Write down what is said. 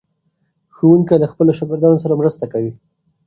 ښوونکی له خپلو شاګردانو سره مرسته کوي.